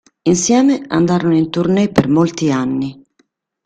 Insieme andarono in tournée per molti anni.